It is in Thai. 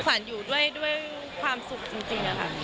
ฝันอยู่ด้วยด้วยความสุขจริงนะคะ